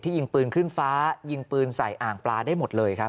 ยิงปืนขึ้นฟ้ายิงปืนใส่อ่างปลาได้หมดเลยครับ